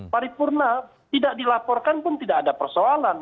paripurna tidak dilaporkan pun tidak ada persoalan